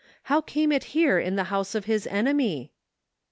How came it here in the house of his enemy